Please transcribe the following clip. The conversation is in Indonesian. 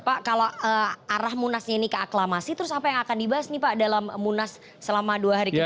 pak kalau arah munasnya ini ke aklamasi terus apa yang akan dibahas nih pak dalam munas selama dua hari ke depan